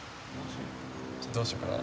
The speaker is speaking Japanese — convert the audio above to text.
どうしようかな。